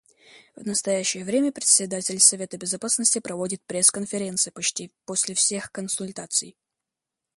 В настоящее время Председатель Совета Безопасности проводит пресс-конференции почти после всех консультаций.